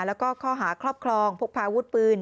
แล้วก็ข้อหาครอบครองพกพาอาวุธปืน